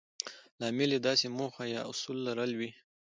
لامل يې داسې موخه يا اصول لرل وي.